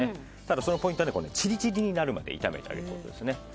そのポイントはチリチリになるまで炒めるということですね。